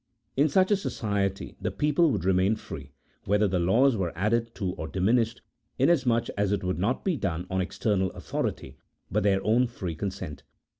In such a society the people would remain free, whether the laws were added to or diminished, inasmuch as it would not be done on exter nal authority, but their own free consent.